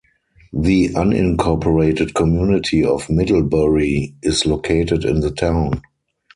The unincorporated community of Middlebury is located in the town.